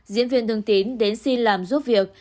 diễn viên thương tín đến xin làm giúp việc